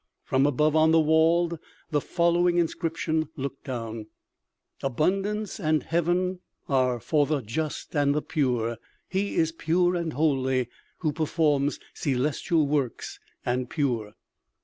From above, on the wall, the following inscription looked down: Abundance and Heaven Are for the Just and the Pure. He is Pure and Holy Who Performs Celestial Works and Pure.